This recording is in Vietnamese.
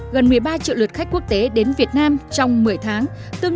gần một mươi ba triệu lượt khách quốc tế đến việt nam trong một mươi tháng